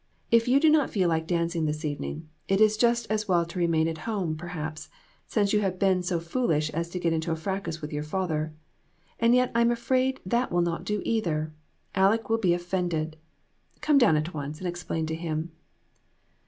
If you do not feel like danc ing this evening, it is just as well to remain at home, perhaps, since you have been so foolish as to get into a fracas with your father. And yet I'm afraid that will not do, either. Aleck will be offended. Come down at once and explain to him."